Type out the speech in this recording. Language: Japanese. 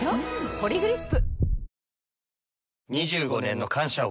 「ポリグリップ」